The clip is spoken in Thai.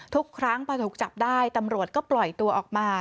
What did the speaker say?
ทุกครั้งพอถูกจับได้ตำรวจก็ปล่อยตัวออกมา